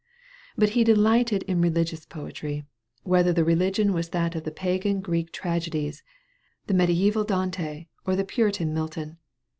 But he delighted in religious poetry, whether the religion was that of the pagan Greek Tragedies, the mediaeval Dante, or the Puritan Milton.